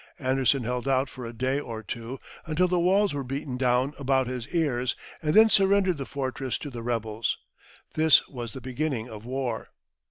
Anderson held out for a day or two, until the walls were beaten down about his ears, and then surrendered the fortress to the rebels. This was the beginning of war.